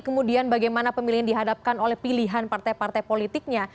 kemudian bagaimana pemilihan dihadapkan oleh pilihan partai partai politiknya